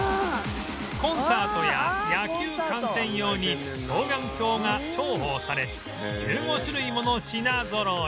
コンサートや野球観戦用に双眼鏡が重宝され１５種類もの品ぞろえ